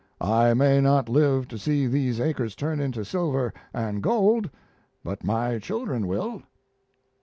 I may not live to see these acres turn into silver and gold, but my children will."